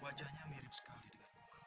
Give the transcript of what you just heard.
wajahnya mirip sekali